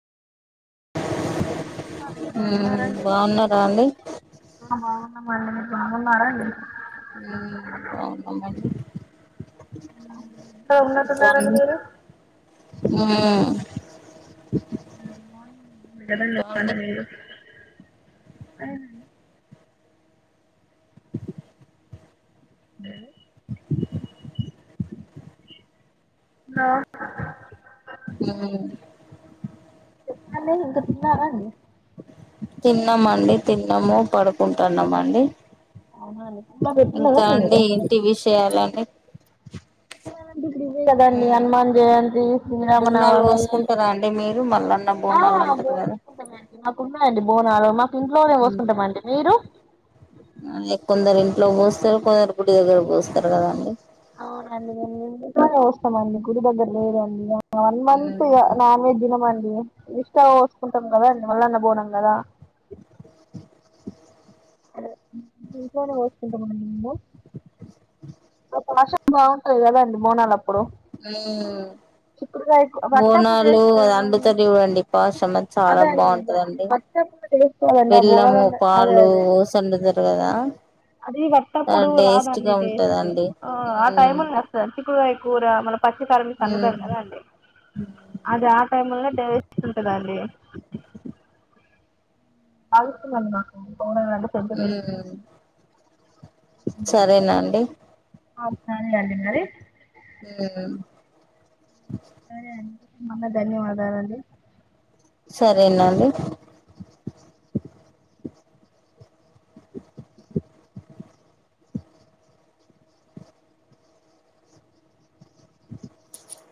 ఏం చేస్తున్నారండి ఉమ్ బాగున్నారండి బాగున్నరా అండి ఆ మీరు బాగున్నారండి ఉమ్ బాగున్నామండి ఎక్కడ ఉన్నట్టున్నారండి పాండి మీరు ఉమ్ [inaudible] మీరు ఇంకా అండి అ ఉమ్ లో హుమ్ చెప్పాలి ఇంక తిన్నారా అండి తిన్నా మండి తిన్నాము పడుకుంటున్నాము అండి అవునా అండి పుల్ల ఇంకా పెట్టుకున్నారండి అండి మీరు ఎంటి విషయాలండి విషయాలేంటి బిజీ కదండి హనుమాన్ జయంతి బోనాలు శ్రీరామనవమి మేమ్ పోసుకుంటారా అండి మీరు మల్లన్న బోనాలు అంటారు కదా జేసుకుంటామండి మాకు ఉన్నాయండి బోనాలు మాకు ఇంట్లోనే ఉమ్ మోసుంటామండి మీరు అదే కొందరు ఇంట్లో మోస్తారు కొందరు గుడి దగ్గర మోస్తారు కదండి అవునండి మేము చేస్తామండి గుడి దగ్గర లేదండి వన్ మంత్ ఇగ ఉమ్ నన్వేజ్ దిన మంత ఇష్ట పోసుకుంటాం కదా మల్లన్న బోనం కదా ఇంట్లోనే మోసుకుంటా మండి పాష బాగుంటది కదండి బోనాలప్పుడు ఉమ్ చిక్కుడుకాయ వట్టప్పుడు బోనాలు టేస్ట్ అది అండుతారు చూడండి పాసమది చాల అదే అండి బాగుంటదండి వట్టప్పుడు టేస్ట్ రాదండి ఆ బోనాల బెల్లము అదే పాలు అదే సండుతరు కదా అది వత్తప్పుడు టేస్ట్ గా రాదండి టేస్ట్ ఉంటదండి ఆ ఆ మ్మ్ టైమ్ల్ వస్తది చిక్కుడుగాయ కూర పచ్చి తరమి సన్న మ్మ్ పెడ్తార అండి అది ఆ టైమ్ లోనె టేస్టు ఉంటదండి చాల ఇష్టమండి నాకు పొంగలం ఉమ్ చరేనండి ఆ [unintelligible] మరి ఆ సరే అండి మన్న ధన్యవాదాలు అండి సరేనండి